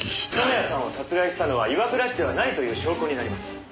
「染谷さんを殺害したのは岩倉氏ではないという証拠になります」